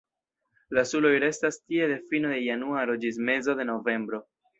La suloj restas tie de fino de januaro ĝis mezo de novembro.